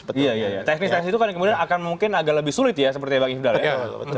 teknis teknis itu kan kemudian akan mungkin agak lebih sulit ya sepertinya bang ifdal ya